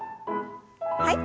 はい。